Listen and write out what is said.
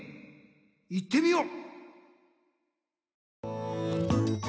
いってみよう！